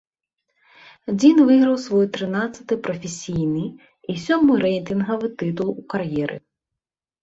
Дзін выйграў свой трынаццаты прафесійны і сёмы рэйтынгавы тытул у кар'еры.